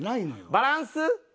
バランス？